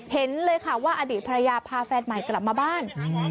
เห็นเลยค่ะว่าอดีตภรรยาพาแฟนใหม่กลับมาบ้าน